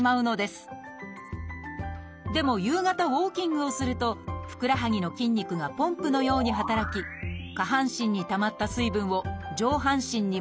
でも夕方ウォーキングをするとふくらはぎの筋肉がポンプのように働き下半身にたまった水分を上半身に戻すことができます。